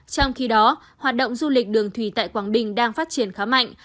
trong khi đó hoạt động du lịch đường thủy tại quảng bình đang phát triển khá mạnh